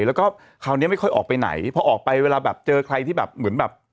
แล้วก็คราวนี้ไม่ค่อยออกไปไหนพอออกไปเวลาแบบเจอใครที่แบบเหมือนแบบ